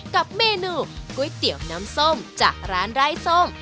กับเมนูก๋วยเตี๋ยวน้ำส้มจากร้านไร้ส้ม